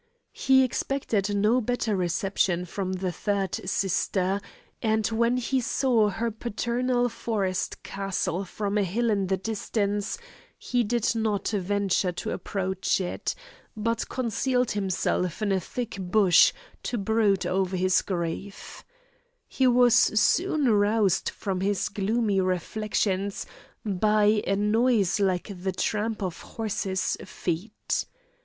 He expected no better reception from the third sister, and when he saw her paternal forest castle from a hill in the distance, he did not venture to approach it, but concealed himself in a thick bush to brood over his grief. He was soon roused from his gloomy reflections by a noise like the tramp of horses' feet.